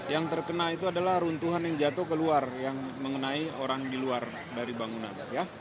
yang terkena itu adalah runtuhan yang jatuh keluar yang mengenai orang di luar dari bangunan